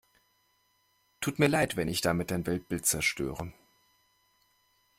Tut mir leid, wenn ich damit dein Weltbild zerstöre.